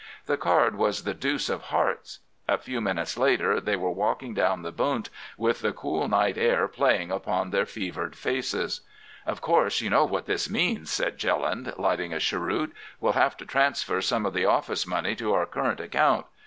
The card was the deuce of hearts. A few minutes later they were walking down the Bund, with the cool night air playing upon their fevered faces. "'Of course you know what this means,' said Jelland, lighting a cheroot; 'we'll have to transfer some of the office money to our current account.